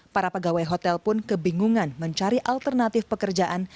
para pegawai hotel pun kebingungan mencari alternatif pekerjaan